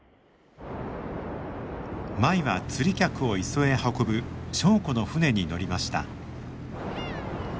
舞は釣り客を磯へ運ぶ祥子の船に乗りました。